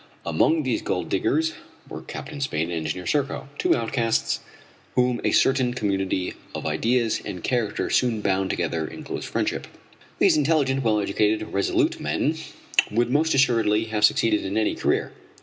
Among these gold diggers, were Captain Spade and Engineer Serko, two outcasts, whom a certain community of ideas and character soon bound together in close friendship. These intelligent, well educated, resolute men would most assuredly have succeeded in any career.